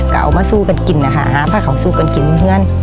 กล่าวมาสู้กันกินนะคะพระเขาสู้กันกินเพื่อน